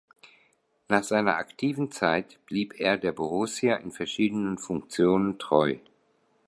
Nach seiner aktiven Zeit blieb er der Borussia in verschiedenen Funktionen treu.